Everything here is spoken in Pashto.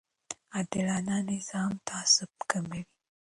عادلانه نظام تعصب کموي